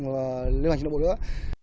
và lưu hành trên đội bộ nữa